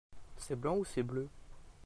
C'est blanc ou c'est bleu ?